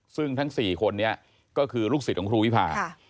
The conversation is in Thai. ซึ่งทั้ง๔คนนี้ก็คือลูกศิษย์ของครูวิพา